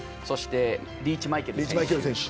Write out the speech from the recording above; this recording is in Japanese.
リーチマイケル選手